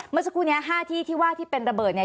เมื่อสักครู่นี้๕ที่ที่ว่าที่เป็นระเบิดเนี่ย